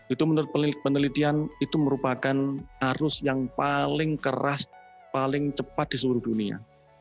itu menurut penelitian itu merupakan arus yang paling keras paling cepat di seluruh dunia